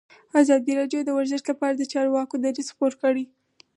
ازادي راډیو د ورزش لپاره د چارواکو دریځ خپور کړی.